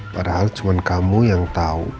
padahal cuman kamu yang tau